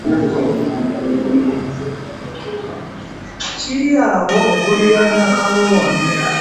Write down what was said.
Kiri awo okuliraana Kabowa.